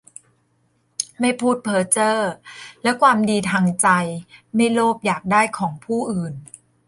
ไม่พูดเพ้อเจ้อ และความดีทางใจ ไม่โลภอยากได้ของผู้อื่น